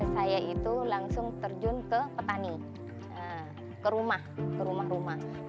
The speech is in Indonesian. saya itu langsung terjun ke petani ke rumah rumah